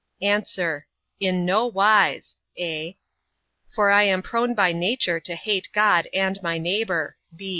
A. In no wise; (a) for I am prone by nature to hate God and my neighbour.